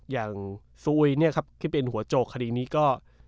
อย่างซูอุยเนี่ยครับที่เป็นหัวโจกคดีนี้ก็